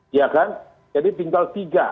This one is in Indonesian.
iya kan jadi tinggal tiga